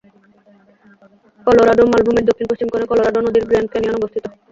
Colorado মালভূমির দক্ষিণ-পশ্চিম কোণে কলোরাডো নদীর গ্র্যান্ড ক্যানিয়ন অবস্থিত।